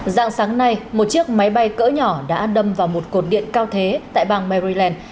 dạng sáng nay một chiếc máy bay cỡ nhỏ đã đâm vào một cột điện cao thế tại bang maryland